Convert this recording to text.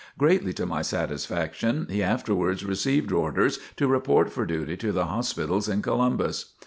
Greatly to my satisfaction he afterwards received orders to report for duty to the hospitals in Columbus.